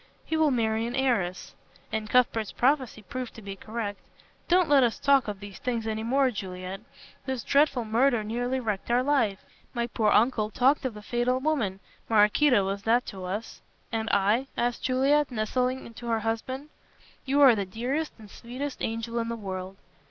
He will marry an heiress " And Cuthbert's prophecy proved to be correct "Don't let us talk of these things any more, Juliet. This dreadful murder nearly wrecked our life. My poor uncle talked of a fatal woman. Maraquito was that to us." "And I?" asked Juliet, nestling to her husband. "You are the dearest and sweetest angel in the world."